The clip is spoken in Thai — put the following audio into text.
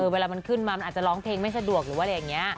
เวลามันขึ้นมามันอาจจะร้องเพลงไม่สะดวกหรืออะไรอย่างนี้